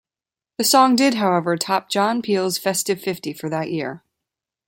The song did however top John Peel's Festive Fifty for that year.